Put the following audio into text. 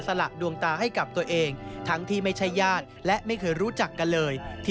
ก็โดนรักของคุณเพียงอย่างเดียว